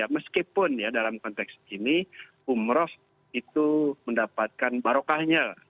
meskipun ya dalam konteks ini umroh itu mendapatkan barokahnya